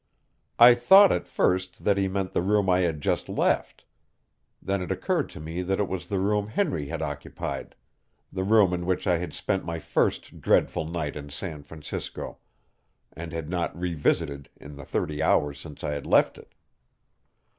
I thought at first that he meant the room I had just left. Then it occurred to me that it was the room Henry had occupied the room in which I had spent my first dreadful night in San Francisco, and had not revisited in the thirty hours since I had left it.